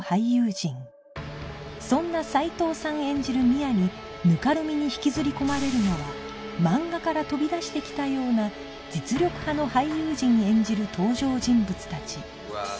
演じる深愛に泥濘に引きずり込まれるのは漫画から飛び出してきたような実力派の俳優陣演じる登場人物たち